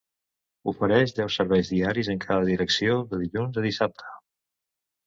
Ofereix deu serveis diaris en cada direcció, de dilluns a dissabte.